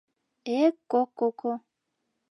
— Эк-ко-ко!